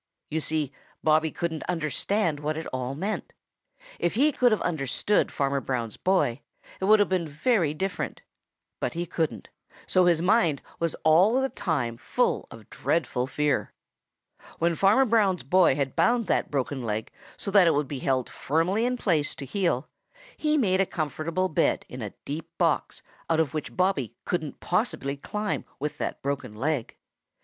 You see, Bobby couldn't understand what it all meant. If he could have understood Farmer Brown's boy, it would have been very different. But he couldn't, and so his mind was all the time full of dreadful fear. When Farmer Brown's boy had bound that broken leg so that it would be held firmly in place to heal, he made a comfortable bed in a deep box out of which Bobby couldn't possibly climb with that broken leg.